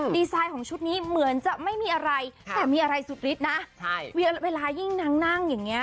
ดีไซน์ของชุดนี้เหมือนจะไม่มีอะไรแต่มีอะไรสุดฤทธิ์นะเวลายิ่งนางนั่งอย่างเงี้